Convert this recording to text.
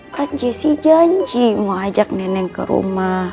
kan jessy janji mau ajak nenek ke rumah